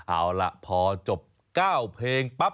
เอาล่ะพอจบ๙เพลงปั๊บ